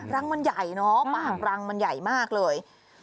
รังมันใหญ่เนอะปากรังมันใหญ่มากเลย